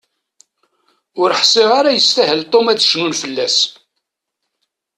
Ur ḥsiɣ ara yestahel Tom ad cnun fell-as.